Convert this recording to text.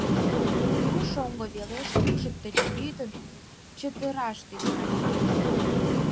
Улю шоҥго велеш кӱкшыт деч лӱдын чытыраш тӱҥале.